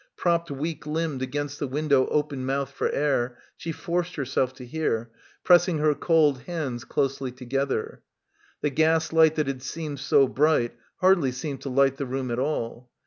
Propped weak limbed against the window open mouthed for air she forced herself to hear, pressing her cold hands closely together. The gas light that had seemed so bright hardly seemed to light the room at all.